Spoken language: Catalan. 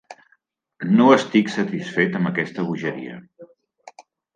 No estic satisfet amb aquesta bogeria.